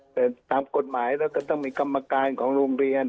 แต่ตามกฎหมายแล้วก็ต้องมีกรรมการของโรงเรียน